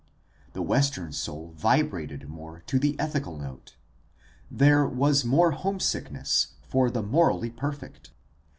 The Western soul vibrated more to the ethical note. There was more homesickness for the morally perfect.